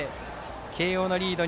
慶応のリード